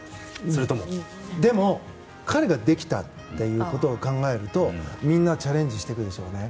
でも彼ができたと考えるとみんなチャレンジしていくでしょうね。